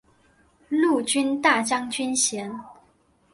陆军大将军衔。